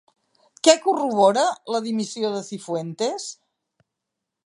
Què corrobora la dimissió de Cifuentes?